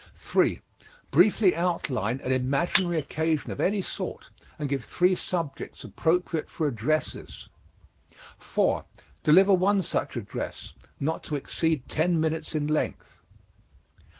3. Briefly outline an imaginary occasion of any sort and give three subjects appropriate for addresses. 4. Deliver one such address, not to exceed ten minutes in length.